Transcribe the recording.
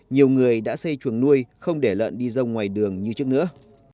nhiều người đã xây chuồng nuôi không để lợn đi dông ngoài đường như trước nữa